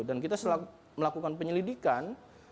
dan kita melakukan penyelidikan